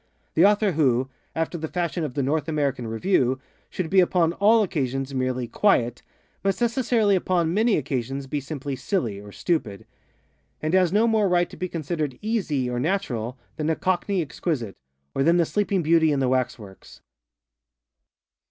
The author who, after the fashion of ŌĆ£The North American Review, ŌĆØ should be upon _all _occasions merely ŌĆ£quiet, ŌĆØ must necessarily upon _many _occasions be simply silly, or stupid; and has no more right to be considered ŌĆ£easyŌĆØ or ŌĆ£naturalŌĆØ than a Cockney exquisite, or than the sleeping Beauty in the waxworks.